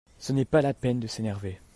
Ce n'est pas la peine de s'énerver.